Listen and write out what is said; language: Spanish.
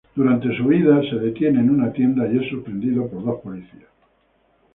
Durante su huida, para en una tienda, y es sorprendido por dos policías.